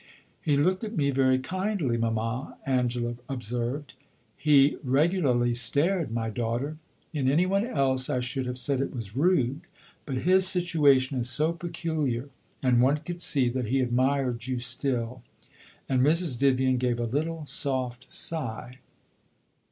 "He looked at me very kindly, mamma," Angela observed. "He regularly stared, my daughter. In any one else I should have said it was rude. But his situation is so peculiar; and one could see that he admired you still." And Mrs. Vivian gave a little soft sigh.